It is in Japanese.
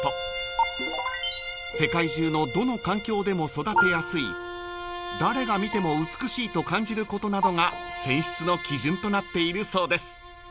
［世界中のどの環境でも育てやすい誰が見ても美しいと感じることなどが選出の基準となっているそうです］